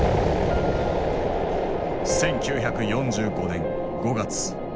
１９４５年５月。